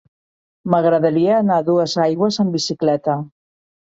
M'agradaria anar a Duesaigües amb bicicleta.